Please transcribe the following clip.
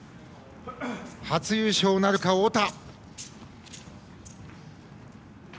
初優勝なるか、太田。